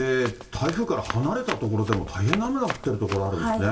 台風から離れた所でも、大変な雨が降っている所があるんですね。